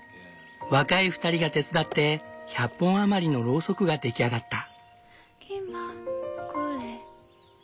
若い２人が手伝って１００本余りのロウソクが出来上がった。